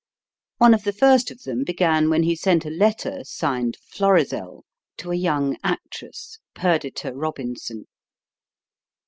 One of the first of them began when he sent a letter, signed "Florizel," to a young actress, "Perdita" Robinson.